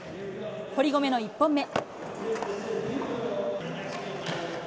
堀米の１本目。